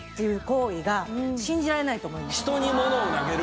人にものを投げる。